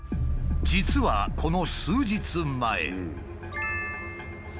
実はこの数日前。